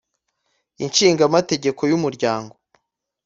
Ishinga Amategeko y Umuryango